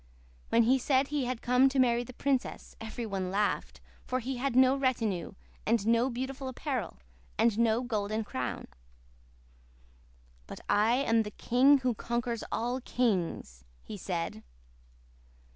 When he said he had come to marry the princess every one laughed, for he had no retinue and no beautiful apparel, and no golden crown. "'But I am the king who conquers all kings,' he said.